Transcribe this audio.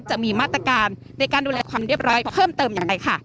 จะมีมาตรการในการดูแลความเรียบร้อยเพิ่มเติมอย่างไรค่ะ